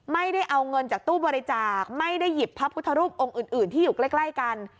ไม่ได้เอาเงินจากตู้บริจาคไม่ได้หยิบพระพุทธรูปองค์อื่นที่อยู่ใกล้กัน